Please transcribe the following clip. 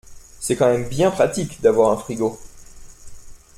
C’est quand même bien pratique d’avoir un frigo.